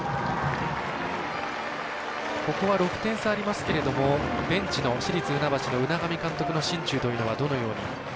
ここは６点差ありますけれどもベンチの市立船橋の海上監督の心中はどのように？